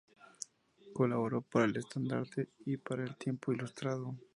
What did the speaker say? Colaboró para el "Estandarte" y para "El Tiempo Ilustrado".